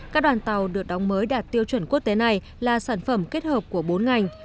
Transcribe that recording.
các đoàn tàu được đóng mới đạt tiêu chuẩn quốc tế này là sản phẩm kết hợp của bốn ngành